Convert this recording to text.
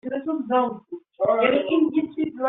Ur awent-tent-sseɛraqeɣ.